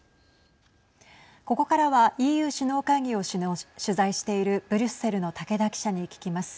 ここからはＥＵ首脳会議を取材しているブリュッセルの竹田記者に聞きます。